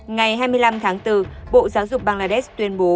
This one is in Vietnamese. ngày hai mươi năm tháng bốn bộ giáo dục bangladesh tuyên bố